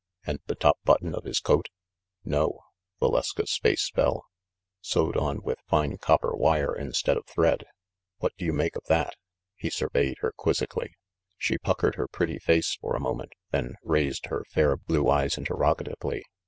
"And the top button of his coat?" "No." Valeska's face fell. "Sewed on with fine copper wire instead of thread. What do you make of that ?"• He surveyed her quiz zically. 50 THE MASTER OF MYSTERIES She puckered her pretty face for a moment, then raised her fair blue eyes interrogatively.